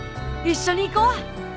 一緒に行こう。